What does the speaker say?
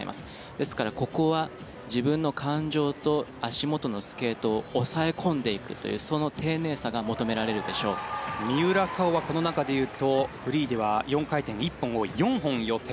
ですので、ここは自分の感情と足元のスケートを抑え込んでいくというその丁寧さが三浦佳生はこの中でいうとフリーでは４回転１本を４本予定。